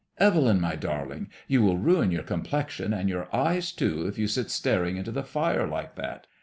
Evelyn, my darling, you will ruin your complexion, and your eyes too, if you sit staring into the fire like that.